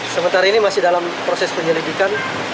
sementara ini masih dalam proses penyelidikan